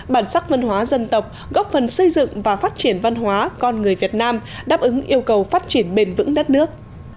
bản sắc văn hóa dân tộc góp phần xây dựng và phát triển văn hóa con người việt nam đáp ứng yêu cầu phát triển bền vững đất nước